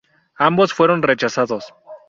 Ambos fueron rechazados.